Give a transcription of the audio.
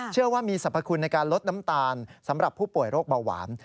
เชื่อว่ามีสรรพคุณในการลดน้ำตาลสำหรับผู้ป่วยโรคเบาหวาน